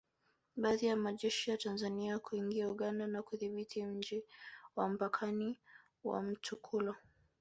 Baada ya majeshi ya Tanzania kuingia Uganda na kuudhibiti mji wa mpakani wa Mtukula